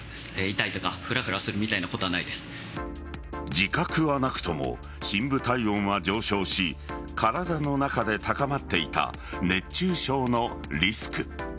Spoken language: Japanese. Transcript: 自覚はなくとも深部体温は上昇し体の中で高まっていた熱中症のリスク。